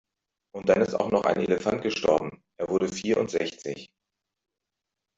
Und dann ist noch ein Elefant gestorben, er wurde vierundsechzig.